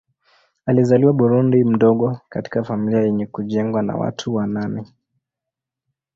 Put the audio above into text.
Alizaliwa Burundi mdogo katika familia yenye kujengwa na watu wa nane.